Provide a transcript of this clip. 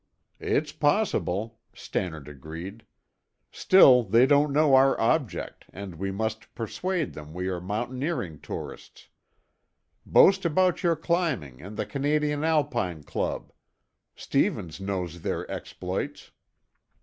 "It's possible," Stannard agreed. "Still they don't know our object and we must persuade them we are mountaineering tourists. Boast about your climbing and the Canadian Alpine Club; Stevens knows their exploits.